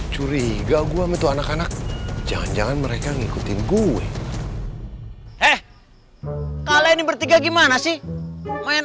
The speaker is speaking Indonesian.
curiga gue itu anak anak jangan jangan mereka ngikutin gue eh kalian bertiga gimana sih main